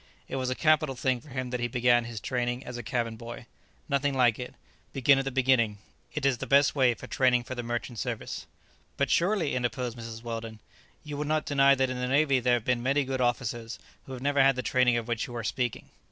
It was a capital thing for him that he began his training as a cabin boy. Nothing like it. Begin at the beginning. It is the best of training for the merchant service." "But surely," interposed Mrs. Weldon, "you would not deny that in the navy there have been many good officers who have never had the training of which you are speaking?"